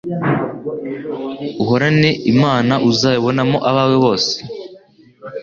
Uhorane Imana uzayibonamo abawe bose